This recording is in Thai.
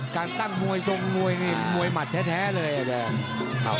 การตั้งมวยส่งมวยมวยมัดแท้เลย